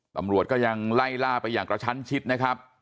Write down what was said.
ตำรวจก็ยังไล่ล่าไปอย่างกระชั้นชิดนะครับ